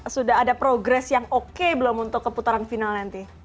sudah ada progres yang oke belum untuk keputaran final nanti